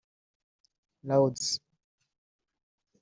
Lourdes